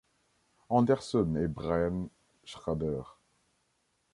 Anderson et Brian Shrader.